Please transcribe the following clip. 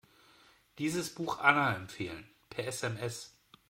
Dieses Buch Anna empfehlen, per SMS.